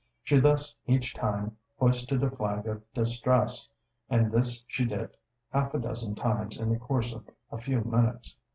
She thus each time hoisted a flag of distress; and this she did half a dozen times in the course of a few minutes.